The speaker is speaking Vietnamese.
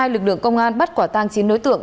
lực lượng công an bắt quả tăng chính nối tượng